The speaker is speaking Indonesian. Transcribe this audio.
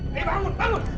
bangun bangun bangun